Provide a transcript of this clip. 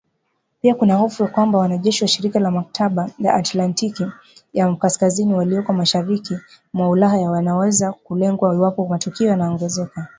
Pia kuna hofu kwamba wanajeshi wa Shirika la Mkataba wa Atlantiki ya Kaskazini walioko mashariki mwa Ulaya wanaweza kulengwa iwapo matukio yanaongezeka